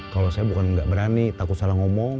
kalau saya bukan nggak berani takut salah ngomong